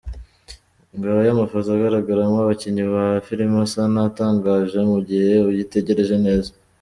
Ngaya amafoto agaragaramo abakinnyi ba filime asa natangaje mu gihe uyitegereje neza.